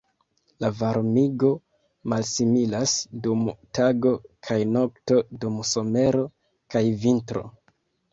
La varmigo malsimilas dum tago kaj nokto, dum somero kaj vintro.